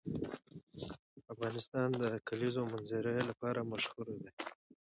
افغانستان د د کلیزو منظره لپاره مشهور دی.